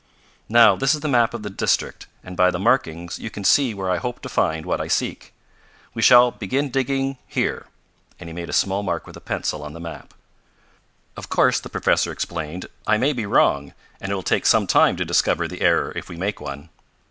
"Now this is the map of the district, and by the markings you can see where I hope to find what I seek. We shall begin digging here," and he made a small mark with a pencil on the map. "Of course," the professor explained, "I may be wrong, and it will take some time to discover the error if we make one.